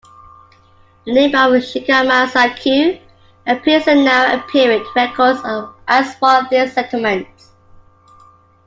The name of "Shikama-saku" appears in Nara period records as one of these settlements.